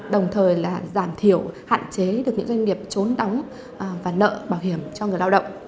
đồng thời là giảm thiểu hạn chế được những doanh nghiệp trốn đóng và nợ bảo hiểm cho người lao động